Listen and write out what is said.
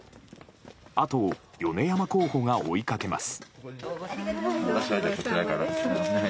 あとを米山候補が追いかけます。